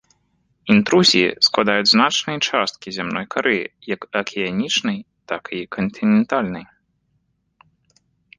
Інтрузіі складаюць значныя часткі зямной кары, як акіянічнай, так і кантынентальнай.